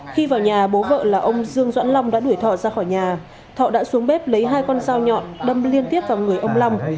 khi vào nhà bố vợ là ông dương doãn long đã đuổi thọ ra khỏi nhà thọ đã xuống bếp lấy hai con dao nhọn đâm liên tiếp vào người ông long